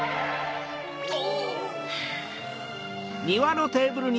お？